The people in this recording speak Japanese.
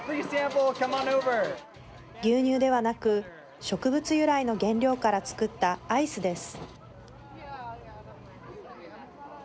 牛乳ではなく植物由来の原料から作ったアイスです。